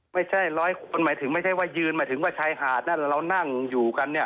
ไม่ใช่ร้อยคนหมายถึงไม่ใช่ว่ายืนหมายถึงว่าชายหาดนั่นเรานั่งอยู่กันเนี่ย